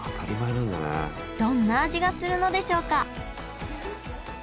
どんな味がするのでしょうか？